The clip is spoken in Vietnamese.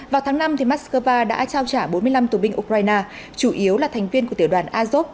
vào tháng năm moscow đã trao trả bốn mươi năm tù binh ukraine chủ yếu là thành viên của tiểu đoàn azov